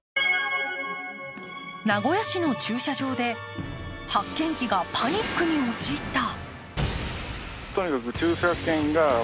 名古屋市の駐車場で発券機がパニックに陥った。